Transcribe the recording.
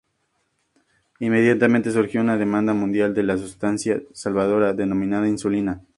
Inmediatamente surgió una demanda mundial de la sustancia salvadora, denominada insulina.